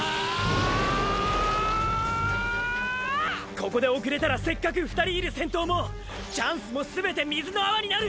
ここで遅れたらせっかく２人いる先頭もーーチャンスも全て水の泡になる！！